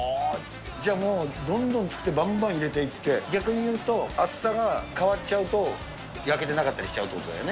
じゃあもう、どんどん作ってばんばん入れていって、逆に言うと、厚さが変わっちゃうと、焼けてなかったりしちゃうってことだよね。